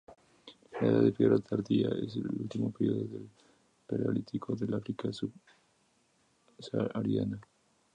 La "Edad de Piedra tardía" es el último periodo del Paleolítico del África subsahariana.